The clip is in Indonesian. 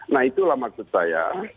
nah itulah maksud saya